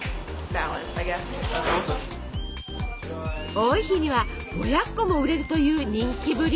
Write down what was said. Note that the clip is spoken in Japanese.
多い日には５００個も売れるという人気ぶり。